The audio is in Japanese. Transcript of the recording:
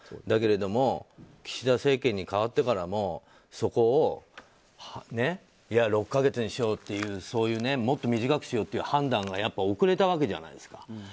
だけれども岸田政権に代わってからもそこを６か月にしようもっと短くしようっていう判断がやっぱ遅れたわけじゃないですか。